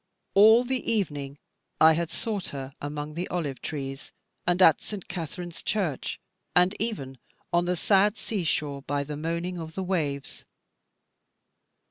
All the evening I had sought her among the olive trees, and at St. Katharine's Church, and even on the sad sea shore by the moaning of the waves.